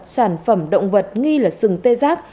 sản phẩm động vật nghi là sừng tê giác